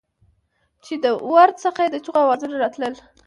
چې د ورد څخه د چېغو اوزونه راتلل.